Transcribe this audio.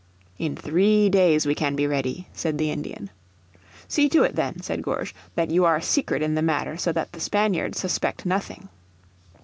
"In three days we can be ready," said the Indian. "See to it then," said Gourges, "that you are secret in the matter so that the Spaniards suspect nothing."